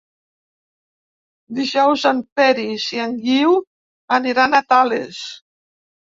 Dijous en Peris i en Guiu aniran a Tales.